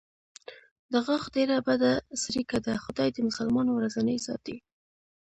د غاښ ډېره بده څړیکه ده، خدای دې مسلمان ورځنې ساتي.